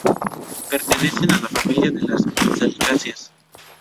Pertenecen a la familia de las Salicáceas.